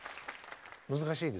難しいですか？